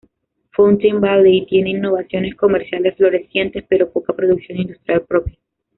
Fountain Valley tiene innovaciones comerciales florecientes pero poca producción industrial propia.